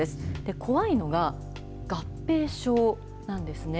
怖いのが、合併症なんですね。